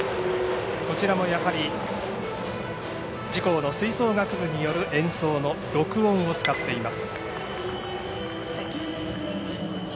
こちらもやはり自校の吹奏楽部による演奏の録音を使っています。